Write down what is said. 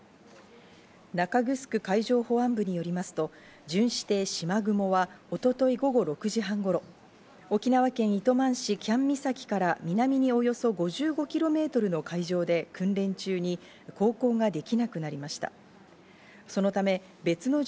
中城海上保安部によりますと巡視艇「しまぐも」は一昨日午後６時半頃、沖縄県糸満市喜屋武岬から南におよそ５５ｋｍの海上で訓練中に航行ができなくなりました。